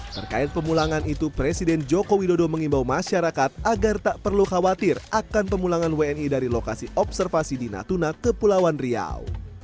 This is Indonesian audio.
terkait pemulangan itu presiden joko widodo mengimbau masyarakat agar tak perlu khawatir akan pemulangan wni dari lokasi observasi di natuna kepulauan riau